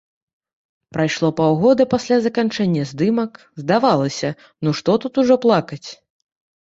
Прайшло паўгода пасля заканчэння здымак, здавалася, ну што тут ужо плакаць?